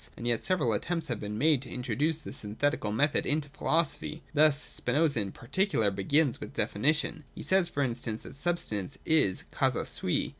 And yet several attempts have been made to introduce the syn thetical method into philosophy. Thus Spinoza, in par ticular, begins with definitions. He says, for instance, that substance is the causa sui.